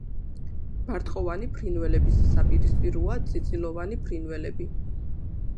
ბარტყოვანი ფრინველების საპირისპიროა წიწილოვანი ფრინველები.